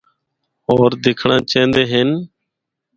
ہور دکھنڑا چہندے ہن۔